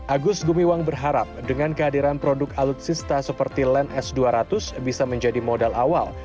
agus gumiwang berharap dengan kehadiran produk alutsista seperti land s dua ratus bisa menjadi modal awal